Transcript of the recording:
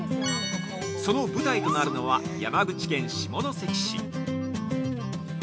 その舞台となるのは山口県下関市。